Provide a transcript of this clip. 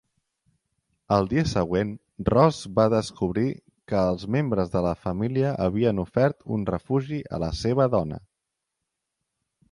El dia següent, Ross va descobrir que els membres de la família havien ofert un refugi a la seva dona.